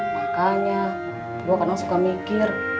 makanya gue kadang suka mikir